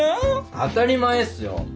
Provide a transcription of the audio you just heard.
当たり前っすよ。